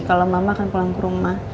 kalau mama akan pulang ke rumah